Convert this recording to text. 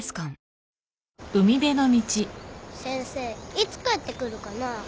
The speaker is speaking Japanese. いつ帰ってくるかな。